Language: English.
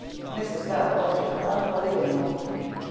Mrs. Bell looked at her unbelievingly.